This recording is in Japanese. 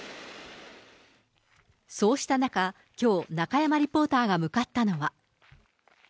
そうした中、きょう、中山リポーターが向かったのは。